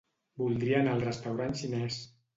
Voldria anar al restaurant xinès.